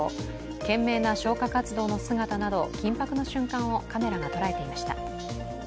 懸命の消火活動の姿など緊迫の瞬間をカメラが捉えていました。